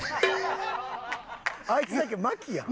あいつだけ牧やん。